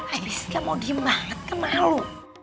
ais gak mau diem banget kan malu